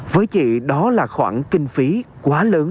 với chị đó là khoản kinh phí quá lớn